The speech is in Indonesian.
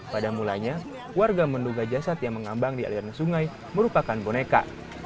pada mulanya warga menduga jasad yang mengambang di aliran sungai merupakan boneka